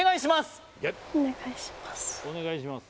お願いします！